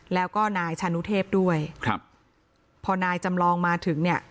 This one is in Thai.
แล้วก็นายชานุเทพด้วยครับพอนายจำลองมาถึงเนี่ย